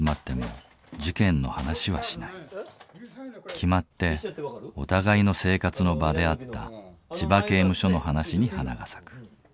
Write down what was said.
決まってお互いの生活の場であった千葉刑務所の話に花が咲く。